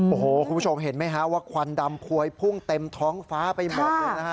โอ้โหคุณผู้ชมเห็นไหมฮะว่าควันดำพวยพุ่งเต็มท้องฟ้าไปหมดเลยนะฮะ